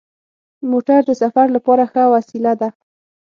موټر د سفر لپاره ښه وسیله ده.